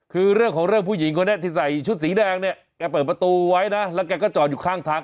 คือเรื่องของเรื่องผู้หญิงคนนี้ที่ใส่ชุดสีแดงเนี่ยแกเปิดประตูไว้นะแล้วแกก็จอดอยู่ข้างทาง